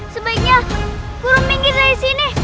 sebaiknya guru minggir dari sini